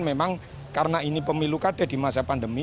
memang karena ini pemilu kade di masa pandemi